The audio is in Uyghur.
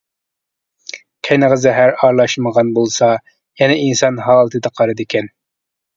قېنىغا زەھەر ئارىلاشمىغان بولسا يەنە ئىنسان ھالىتىدە قالىدىكەن.